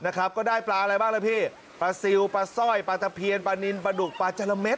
ก็ได้ปลาอะไรบ้างล่ะพี่ปลาซิลปลาสร้อยปลาตะเพียนปลานินปลาดุกปลาจาระเด็ด